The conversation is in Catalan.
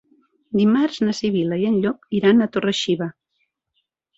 Dimarts na Sibil·la i en Llop iran a Torre-xiva.